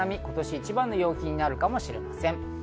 今年一番の陽気になるかもしれません。